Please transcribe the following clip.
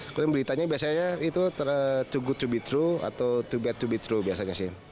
kemudian beritanya biasanya itu too good to be true atau too bad to be true biasanya sih